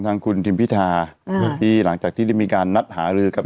ทางคุณทิมพิธาที่หลังจากที่ได้มีการนัดหารือกับ